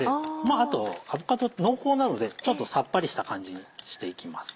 あとアボカド濃厚なのでちょっとさっぱりした感じにしていきます。